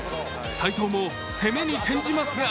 斉藤も攻めに転じますが